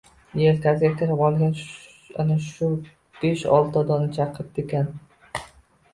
Yelkasiga kirib olgan ana shu besh-olti dona chaqirtikan.